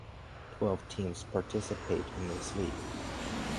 Twelve teams participate in this league.